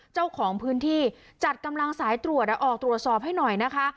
เจ้าของพื้นที่จัดกำลังสายตรวจออกตรวจสอบให้หน่อยนะคะ